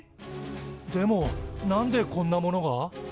でも何でこんなものが？